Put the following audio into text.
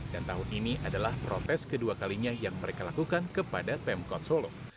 tahun ini adalah protes kedua kalinya yang mereka lakukan kepada pemkot solo